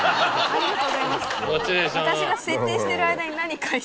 私が設定してる間に。